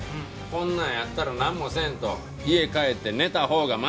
こんなんやったらなんもせんと家帰って寝たほうがマシや！